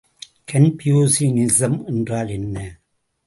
கன்பூசியனிசம் என்றால் என்ன?